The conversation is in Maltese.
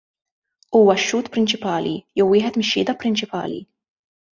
Huwa x-xhud prinċipali, jew wieħed mix-xhieda prinċipali.